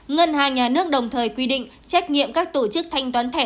ngân hàng nhà nước đồng thời quy định trách nhiệm các tổ chức thanh toán thẻ